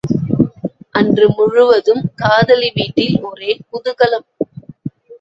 அன்று முழுவதும் காதலி வீட்டில் ஒரே குதூகலம்.